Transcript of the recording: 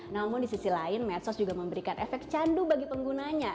namun di sisi lain medsos juga memberikan efek candu bagi penggunanya